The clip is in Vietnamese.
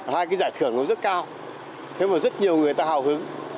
hai cái giải thưởng nó rất cao thế mà rất nhiều người ta hào hứng